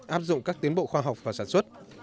áp dụng các tiến bộ khoa học và sản xuất